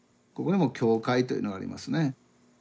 ここにも「きょうかい」というのがありますね。